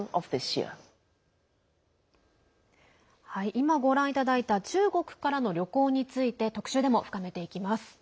今、ご覧いただいた中国からの旅行について特集でも深めていきます。